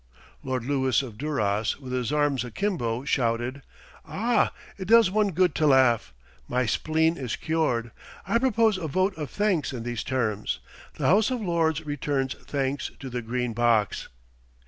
Lord Lewis of Duras, with his arms akimbo, shouted, "Ah! it does one good to laugh. My spleen is cured. I propose a vote of thanks in these terms: 'The House of Lords returns thanks to the Green Box.'"